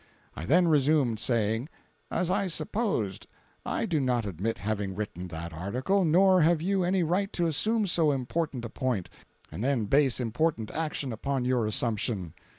I then resumed saying, "As I supposed. I do not admit having written that article, nor have you any right to assume so important a point, and then base important action upon your assumption.